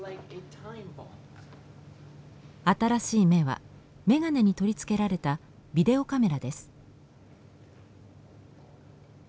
新しい目は眼鏡に取り付けられたビデオカメラです。